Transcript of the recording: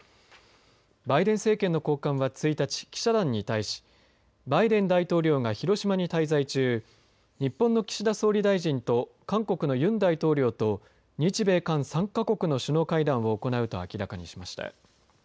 バイデン政権の高官は１日記者団に対しバイデン大統領が広島に滞在中日本の岸田総理大臣と韓国のユン大統領と日米韓３か国の首脳会談を行うと明らかにしました。